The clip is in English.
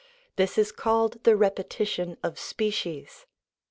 This is called the repe tition of species.